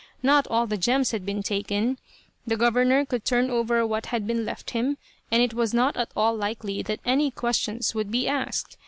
Not all the gems had been taken. The governor could turn over what had been left him, and it was not at all likely that any questions would be asked.